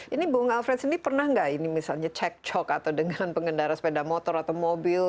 ini bung alfred sendiri pernah nggak ini misalnya cek cok atau dengan pengendara sepeda motor atau mobil